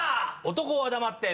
男は黙って。